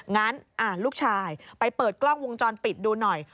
งั้นลูกชายไปเปิดกล้องวงจรปิดดูหน่อย